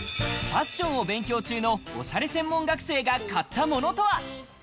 ファッションを勉強中のおしゃれ専門学生が買ったものとは？